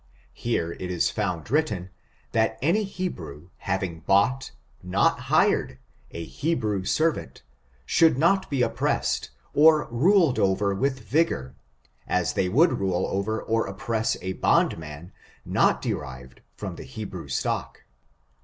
Here it is found written, that any Hebrew having bought, not hired, a Hebrew servant, should not be oppressed, or ruled over with rigor, as they would rule over or oppress a bondman, not derived from the He brew stock.